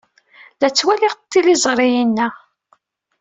La ttwaliɣ tiliẓri-inna.